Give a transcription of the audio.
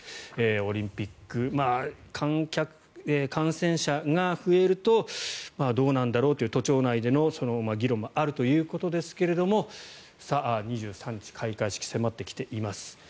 オリンピック、感染者が増えるとどうなんだろうという都庁内での議論もあるということですが２３日、開会式が迫ってきています。